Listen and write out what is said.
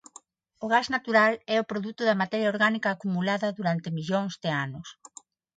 O gas natural é o produto da materia orgánica acumulada durante millóns de anos.